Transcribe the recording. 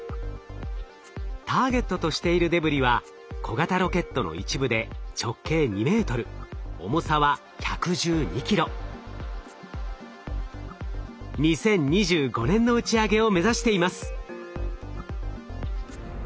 ターゲットとしているデブリは小型ロケットの一部で２０２５年の打ち上げを目指しています。